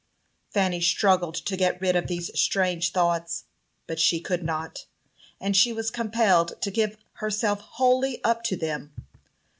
Fanny struggled to get rid of these strange thoughts, but she could not; and she was compelled to give herself wholly up to them.